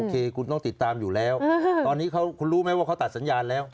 เคคุณต้องติดตามอยู่แล้วตอนนี้คุณรู้ไหมว่าเขาตัดสัญญาณแล้ว